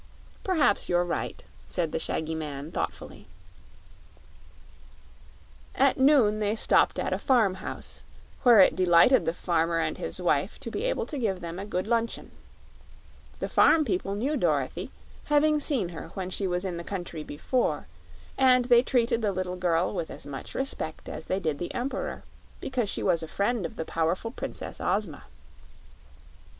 "Perhaps you're right," said the shaggy man, thoughtfully. At noon they stopped at a farmhouse, where it delighted the farmer and his wife to be able to give them a good luncheon. The farm people knew Dorothy, having seen her when she was in the country before, and they treated the little girl with as much respect as they did the Emperor, because she was a friend of the powerful Princess Ozma.